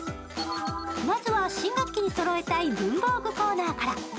まずは新学期にそろえたい文房具コーナーから。